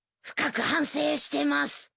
深く反省してます。